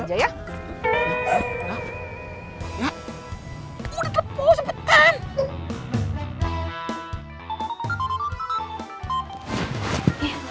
udah terpulang sepetan